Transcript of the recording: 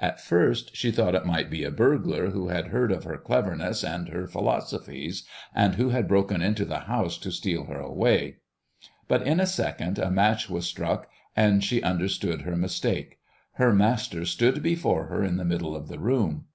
At first she thought it might be a burglar who had heard of her cleverness and her philosophies, and who had broken into the house to steal her away, but in a second a match was struck and she understood her mistake. Her master stood before her in the middle of the room.